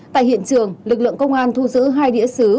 tại hiện trường lực lượng công an thu giữ hai đĩa xứ